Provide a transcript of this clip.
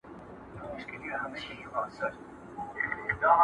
پر ذهن مي را اوري ستا ګلاب ګلاب یادونه.